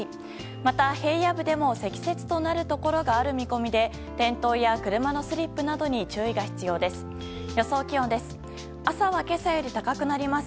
また、平野部でも積雪となるところがある見込みで転倒や車のスリップなどに注意が必要です。